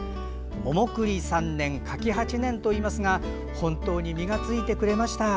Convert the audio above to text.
桃栗三年柿八年といいますが本当に実がついてくれました。